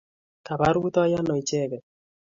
Kapa rutoi ano icheket?